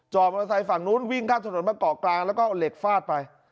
มอเตอร์ไซค์ฝั่งนู้นวิ่งข้ามถนนมาเกาะกลางแล้วก็เอาเหล็กฟาดไป